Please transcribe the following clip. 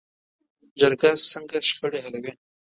جرګه څنګه شخړې حلوي؟